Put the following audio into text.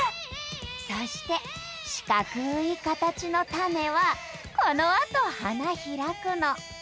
そして四角いカタチの種はこのあと花開くの。